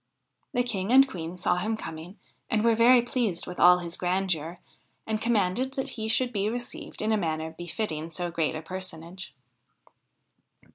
The King and Queen saw him coming and were very pleased with all his grandeur, and commanded that he should be received in a manner befitting so great a personage.